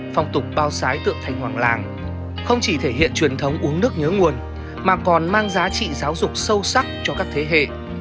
phong tục bao sái tượng thanh hoàng làng không chỉ thể hiện truyền thống uống nước nhớ nguồn mà còn mang giá trị giáo dục sâu sắc cho các thế hệ